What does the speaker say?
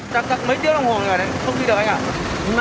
chắc chắc mấy tiếng đồng hồ này rồi đấy